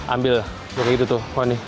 ambil kayak gitu tuh